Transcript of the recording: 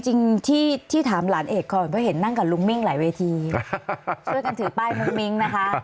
จริงที่ถามหลานเอกก่อนเพราะเห็นนั่งกับลุงมิ้งหลายเวทีช่วยกันถือป้ายมุ้งมิ้งนะคะ